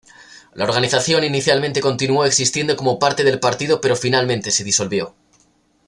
La organización inicialmente continuó existiendo como parte del partido pero finalmente se disolvió.